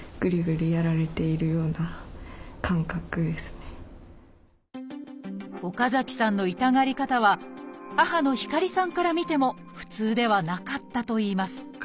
例えば岡崎さんの痛がり方は母の光さんから見ても普通ではなかったといいます